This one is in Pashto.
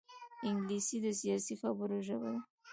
انګلیسي د سیاسي خبرو ژبه ده